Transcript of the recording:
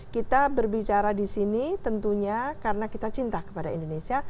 kita berbicara di sini tentunya karena kita cinta kepada indonesia